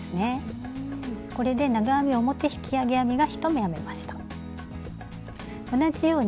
これで長編み表引き上げ編みが１目編めました。